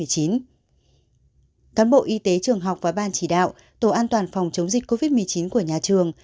cán bộ y tế trường học và ban chỉ đạo tổ an toàn phòng chống dịch covid một mươi chín của nhà trường